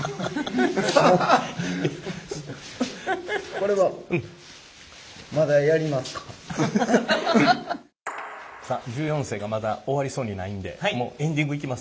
これはさあ１４世がまだ終わりそうにないんでもうエンディングいきます。